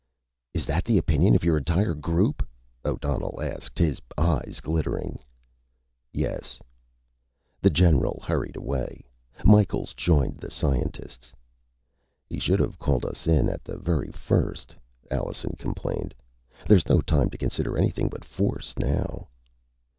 "Is that the opinion of your entire group?" O'Donnell asked, his eyes glittering. "Yes." The general hurried away. Micheals joined the scientists. "He should have called us in at the very first," Allenson complained. "There's no time to consider anything but force now."